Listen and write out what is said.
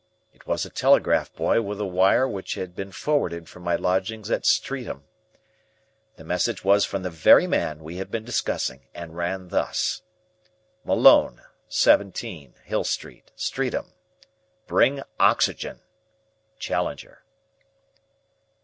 It was a telegraph boy with a wire which had been forwarded from my lodgings at Streatham. The message was from the very man we had been discussing, and ran thus: Malone, 17, Hill Street, Streatham. Bring oxygen. Challenger.